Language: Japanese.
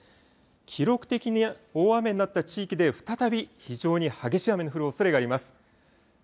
記録的な大雨になった地域で再び非常に激しい雨の降るおそれがあります。